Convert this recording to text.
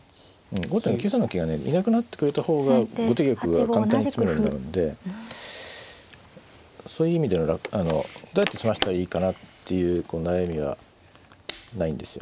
後手の９三の桂がねいなくなってくれた方が後手玉が簡単に詰めろになるんでそういう意味ではどうやって詰ましたらいいかなっていう悩みはないんですよ。